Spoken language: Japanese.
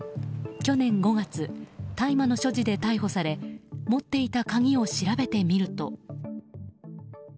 去年５月、大麻の所持で逮捕され持っていた鍵を調べてみると。